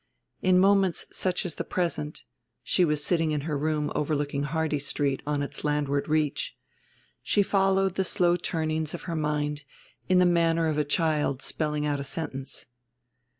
In moments such as the present she was sitting in her room overlooking Hardy Street on its landward reach she followed the slow turnings of her mind in the manner of a child spelling out a sentence.